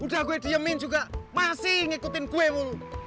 udah gue diemin juga masih ngikutin gue